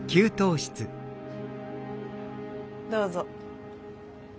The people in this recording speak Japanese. どうぞ。